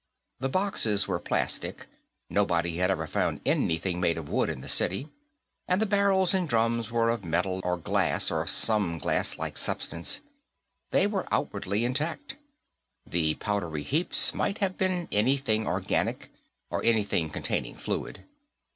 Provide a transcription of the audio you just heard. The boxes were plastic nobody had ever found anything made of wood in the city and the barrels and drums were of metal or glass or some glasslike substance. They were outwardly intact. The powdery heaps might have been anything organic, or anything containing fluid.